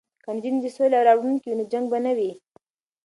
که نجونې د سولې راوړونکې وي نو جنګ به نه وي.